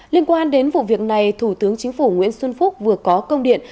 liên quan đến vụ việc này thủ tướng chính phủ nguyễn xuân phúc vừa có công điện